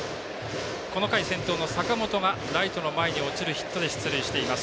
この回、先頭の坂本がライトの前に落ちるヒットで出塁しています。